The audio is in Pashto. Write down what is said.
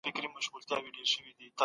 په تېره پېړۍ کي تاریخ څنګه ولیکل سو؟